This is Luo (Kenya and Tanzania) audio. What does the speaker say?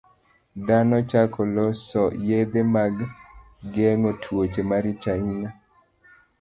Dhano chako loso yedhe mag geng'o tuoche maricho ahinya.